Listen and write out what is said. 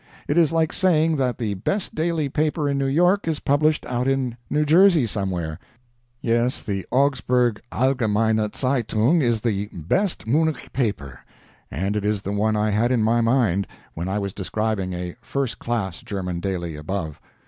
It is like saying that the best daily paper in New York is published out in New Jersey somewhere. Yes, the Augsburg ALLGEMEINE ZEITUNG is "the best Munich paper," and it is the one I had in my mind when I was describing a "first class German daily" above.